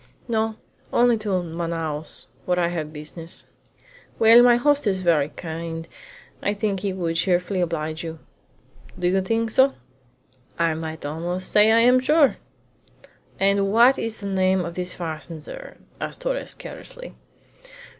"No, only to Manaos, where I have business." "Well, my host is very kind, and I think he would cheerfully oblige you." "Do you think so?" "I might almost say I am sure." "And what is the name of this fazender?" asked Torres carelessly.